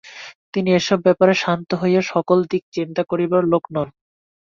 তিনি এ-সব ব্যাপারে শান্ত হইয়া সকল দিক চিন্তা করিবার লোক নন।